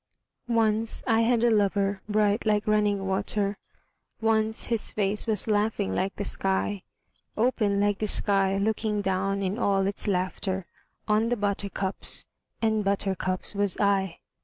Once I had a lover bright like running water, Once his face was laughing like the sky; Open like the sky looking down in all its laughter On the buttercups and buttercups was I.